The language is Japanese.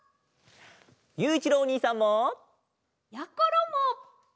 ゆういちろうおにいさんも！やころも！